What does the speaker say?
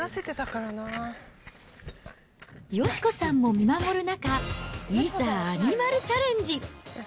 佳子さんも見守る中、いざアニマルチャレンジ。